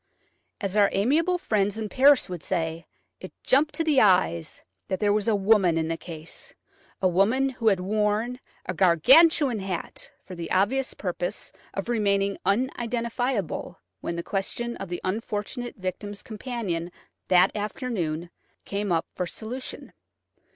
As our amiable friends in Paris would say, it jumped to the eyes that there was a woman in the case–a woman who had worn a gargantuan hat for the obvious purpose of remaining unidentifiable when the question of the unfortunate victim's companion that afternoon came up for solution.